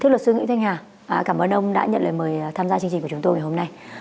thưa luật sư nguyễn thanh hà cảm ơn ông đã nhận lời mời tham gia chương trình của chúng tôi ngày hôm nay